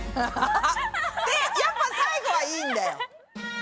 やっぱ最後はいいんだよ。